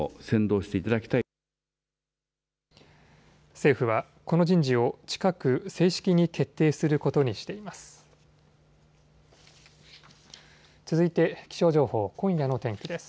政府は、この人事を近く正式に決定することにしています。